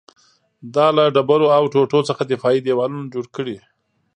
دا له ډبرو او ټوټو څخه دفاعي دېوالونه جوړ کړي